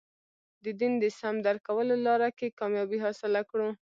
د دین د سم درک کولو لاره کې کامیابي حاصله کړو.